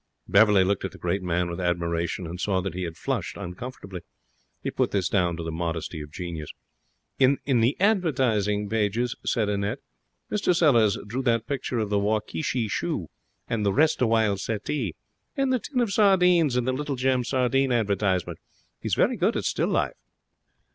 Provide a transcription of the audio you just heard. Beverley looked at the great man with admiration, and saw that he had flushed uncomfortably. He put this down to the modesty of genius. 'In the advertisement pages,' said Annette. 'Mr Sellers drew that picture of the Waukeesy Shoe and the Restawhile Settee and the tin of sardines in the Little Gem Sardine advertisement. He is very good at still life.'